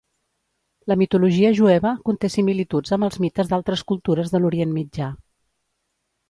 La mitologia jueva conté similituds amb els mites d'altres cultures de l'Orient Mitjà.